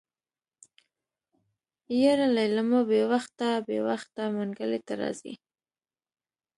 يره ليلما بې وخته بې وخته منګلي ته راځي.